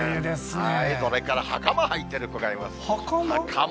それからはかまはいてる子もいまはかま？